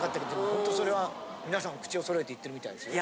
ほんとそれはみなさん口をそろえて言ってるみたいですね。